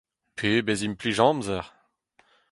Pebezh implij amzer !